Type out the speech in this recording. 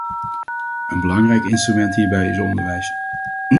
Een belangrijk instrument hierbij is onderwijs.